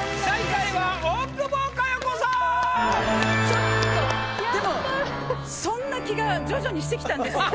ちょっとでもそんな気が徐々にしてきたんですよね